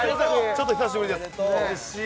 ちょっと久しぶりです嬉しい